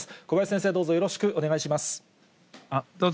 小林先生、どうぞよろしくお願いします。